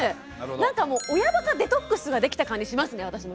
なんか親バカデトックスができた感じしますね私も。